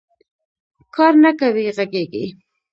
کار نه کوې غږېږې